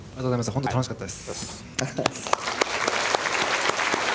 本当楽しかったです。